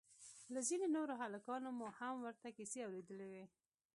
له ځينو نورو هلکانو مو هم ورته کيسې اورېدلې وې.